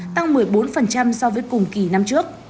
tăng một mươi bốn so với cùng kỳ năm trước